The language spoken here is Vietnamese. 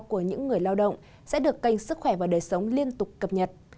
của những người lao động sẽ được kênh sức khỏe và đời sống liên tục cập nhật